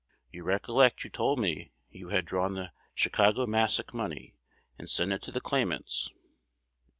You recollect you told me you had drawn the Chicago Masack money, and sent it to the claimants.